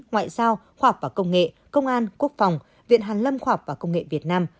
ngoại giao khoa học và công nghệ công an quốc phòng viện hàn lâm khoa học và công nghệ việt nam